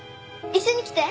一緒に来て。